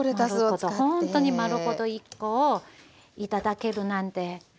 ほんとに丸ごと１コを頂けるなんてね。